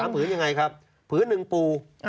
๓ผืนยังไงครับผืน๑ปู